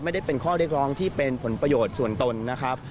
ไม่ได้เป็นข้อเรียกร้องที่เป็นผลประโยชน์ส่วนตนนะครับ